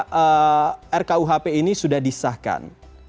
menariknya ketika rkuhp ini sudah disahkan